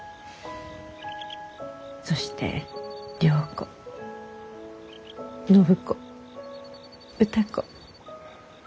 そして良子暢子歌子。